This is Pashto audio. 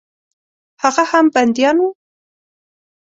هغه هم بندیان وه.